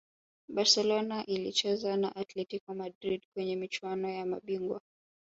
Barcelona ilicheza na Atletico Madrid kwenye michuano ya mabingwa